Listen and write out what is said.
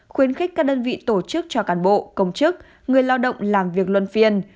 khuyến khích các đơn vị tổ chức cho cán bộ công chức người lao động làm việc luân phiên